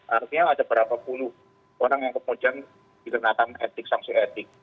artinya ada berapa puluh orang yang kemudian dikenakan etik sanksi etik